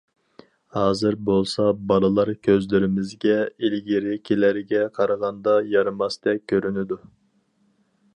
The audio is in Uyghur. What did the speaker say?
ھازىر بولسا بالىلار كۆزلىرىمىزگە ئىلگىرىكىلەرگە قارىغاندا يارىماستەك كۆرۈنىدۇ.